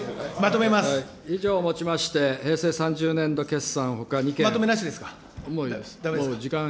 以上をもちまして、平成３０まとめなしですか。